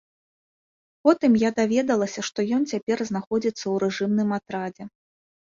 Потым я даведалася, што ён цяпер знаходзіцца ў рэжымным атрадзе.